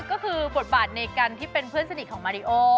ก็คือบทบาทในการที่เป็นเพื่อนสนิทของมาริโอ